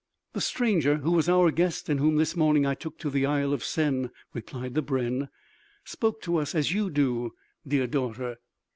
"The stranger who was our guest and whom this morning I took to the Isle of Sen," replied the brenn, "spoke to us as you do, dear daughter."